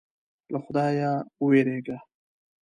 له خدایه وېرېږه.